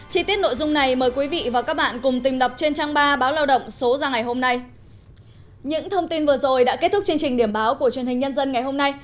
chi tiết nội dung này mời quý vị và các bạn cùng tìm đọc trên trang ba báo lao động số ra ngày hôm nay